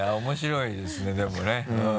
面白いですねでもね。